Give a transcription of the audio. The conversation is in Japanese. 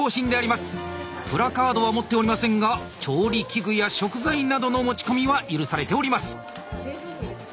プラカードは持っておりませんが調理器具や食材などの持ち込みは許されております。